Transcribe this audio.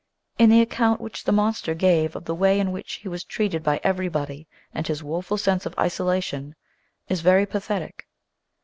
And the account which the monster gave of the way in which he was treated by everybody and his woeful sense of isolation is very pathetic.